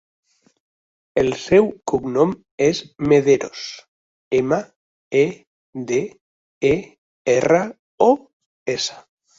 El seu cognom és Mederos: ema, e, de, e, erra, o, essa.